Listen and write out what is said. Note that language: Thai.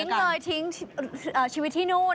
ทิ้งเลยทิ้งชีวิตที่โน่น